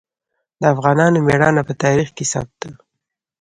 د افغانانو ميړانه په تاریخ کې ثبت ده.